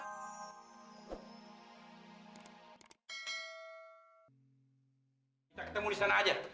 kita ketemu di sana aja